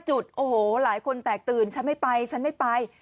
จุดโอ้โหหลายคนแตกตื่นฉันไม่ไปฉันไม่ไป